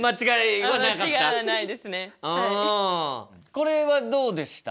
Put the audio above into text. これはどうでした？